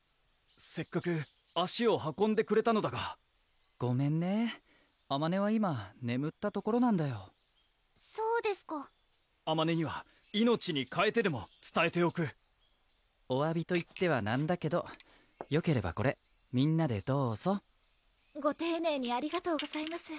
せっかく足を運んでくれたのだがごめんねぇあまねは今ねむったところなんだよぉそうですかあまねには命にかえてでもつたえておくおわびといってはなんだけどよければこれみんなでどうぞぉご丁寧にありがとうございます